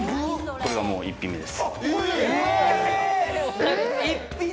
これがもう一品目です。